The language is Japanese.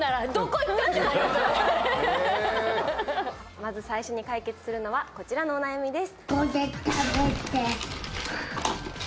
まず最初に解決するのはこちらのお悩みです。